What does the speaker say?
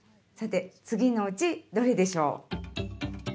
さて、次のうちどれでしょう？